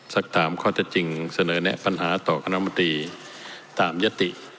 สักถามข้อจะจริงเสนอแนะปัญหาต่อกรรมตรีตามยตติ